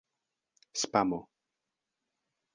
spamo